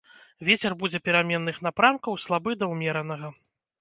Вецер будзе пераменных напрамкаў слабы да ўмеранага.